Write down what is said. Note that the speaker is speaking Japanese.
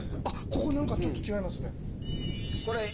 ここ何かちょっと違いますね。